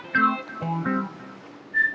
aduh aku bisa